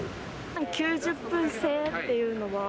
９０分制っていうのは。